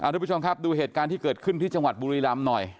ทุกผู้ชมครับดูเหตุการณ์ที่เกิดขึ้นที่จังหวัดบุรีรำหน่อย